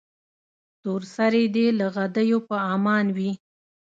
تور سرې دې له غدیو په امان وي.